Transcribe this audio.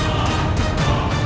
ya baik aku